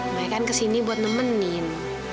mereka kan kesini buat nemenin